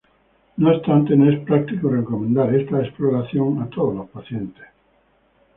No obstante no es práctico recomendar esta exploración a todos los pacientes.